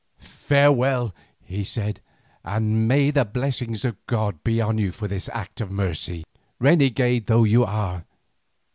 "Farewell," he said, "and may the blessing of God be on you for this act of mercy, renegade though you are.